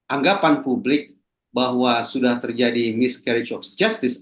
anggapan publik bahwa sudah terjadi miscarage of justice